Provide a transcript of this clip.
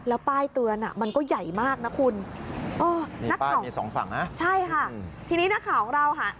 แล้วป้ายเตือนอ่ะมันก็ใหญ่มากนะคุณป้ายมีสองฝั่งนะใช่ค่ะทีนี้นักข่าวของเราค่ะ